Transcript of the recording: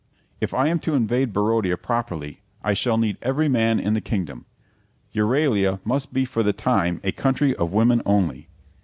If I am to invade Barodia properly I shall need every man in the kingdom. Euralia must be for the time a country of women only."